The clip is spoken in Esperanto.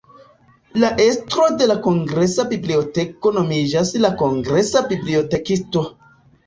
La estro de la Kongresa Biblioteko nomiĝas la Kongresa Bibliotekisto.